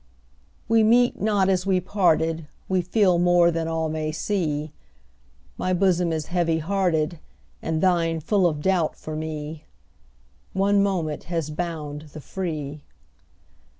We meet not as we parted, We feel more than all may see; My bosom is heavy hearted, And thine full of doubt for me: One moment has bound the free.